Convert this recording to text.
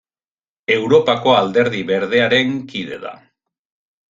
Europako Alderdi Berdearen kide da.